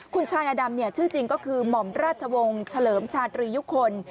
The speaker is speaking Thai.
คุณชายอดำชื่อจริงก็คือหม่อมราชวงศ์เฉลิมชาตรียุคล